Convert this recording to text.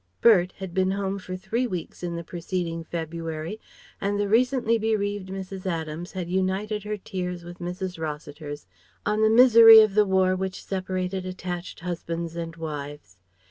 "Bert" had been home for three weeks in the preceding February, and the recently bereaved Mrs. Adams had united her tears with Mrs. Rossiter's on the misery of the War which separated attached husbands and wives.